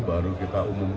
baru kita umum